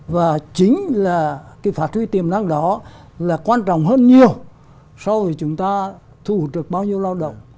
và chính là cái phát huy tiềm năng đó là quan trọng hơn nhiều so với chúng ta thu được bao nhiêu lao động